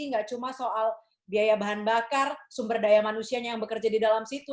nggak cuma soal biaya bahan bakar sumber daya manusianya yang bekerja di dalam situ